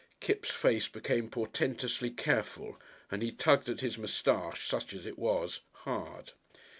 Kipps' face became portentously careful and he tugged at his moustache, such as it was, hard.